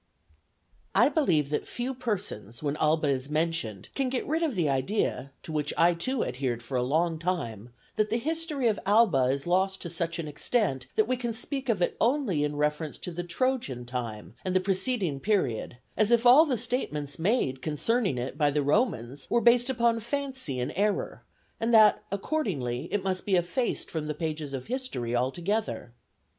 I believe that few persons, when Alba is mentioned, can get rid of the idea, to which I too adhered for a long time, that the history of Alba is lost to such an extent, that we can speak of it only in reference to the Trojan time and the preceding period, as if all the statements made concerning it by the Romans were based upon fancy and error; and that accordingly it must be effaced from the pages of history altogether.